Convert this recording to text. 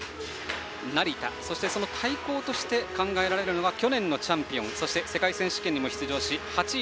成田、そしてその対抗として考えられるのが去年のチャンピオンそして世界選手権にも出場し８位